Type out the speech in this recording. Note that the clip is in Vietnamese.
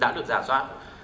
đã được giả soát